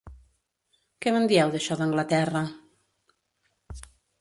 Què me'n dieu d'això d'Anglaterra?